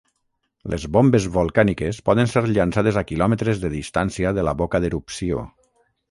Les bombes volcàniques poden ser llançades a quilòmetres de distància de la boca d'erupció.